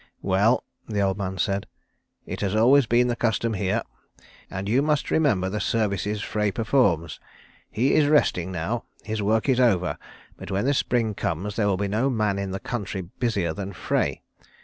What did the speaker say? "Well," the old man said, "it has always been the custom here. And you must remember the services Frey performs. He is resting now. His work is over. But when the spring comes there will be no man in the country busier than Frey.